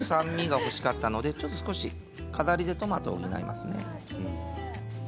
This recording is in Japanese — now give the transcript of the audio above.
酸味が欲しかったので飾りでトマトを補いますね。